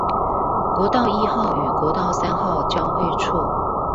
國道一號與國道三號交會處